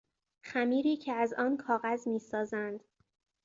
خمیری که از آن کاغذ میسازند